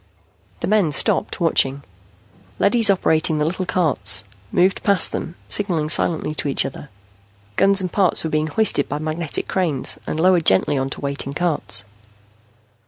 The men stopped, watching. Leadys operating the little carts moved past them, signaling silently to each other. Guns and parts were being hoisted by magnetic cranes and lowered gently onto waiting carts.